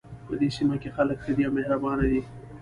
په دې سیمه کې خلک ښه دي او مهربانه دي